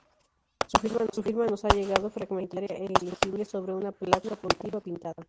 Su firma nos ha llegado, fragmentaria e ilegible, sobre una placa votiva pintada.